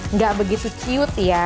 nggak begitu ciut ya